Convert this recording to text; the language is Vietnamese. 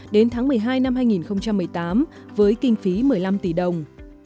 đến tháng một mươi hai năm hai nghìn một mươi tám với kinh phí một mươi năm tỷ đồng